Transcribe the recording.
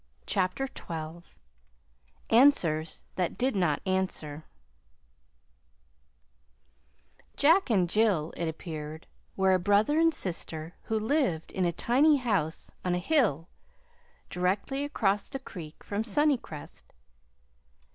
CHAPTER XII ANSWERS THAT DID NOT ANSWER "Jack and Jill," it appeared, were a brother and sister who lived in a tiny house on a hill directly across the creek from Sunnycrest.